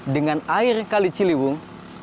dengan air kali ciliwung